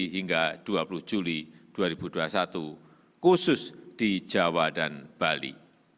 hingga dua puluh juli dua ribu dua puluh satu khusus di jawa dan bali